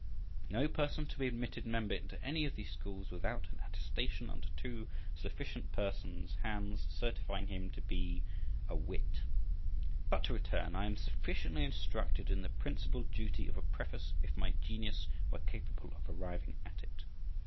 No person to be admitted member into any of these schools without an attestation under two sufficient persons' hands certifying him to be a wit. But to return. I am sufficiently instructed in the principal duty of a preface if my genius, were capable of arriving at it.